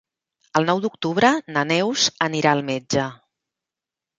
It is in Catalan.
El nou d'octubre na Neus anirà al metge.